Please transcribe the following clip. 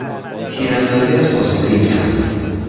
تیراندازی از فاصلهی کم